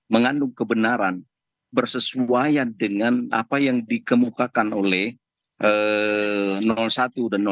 mengandung kebenaran bersesuaian dengan apa yang dikemukakan oleh satu dan dua